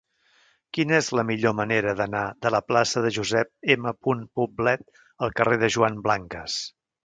Quina és la millor manera d'anar de la plaça de Josep M. Poblet al carrer de Joan Blanques?